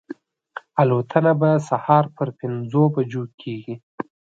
الوتنه به سهار پر پنځو بجو کېږي.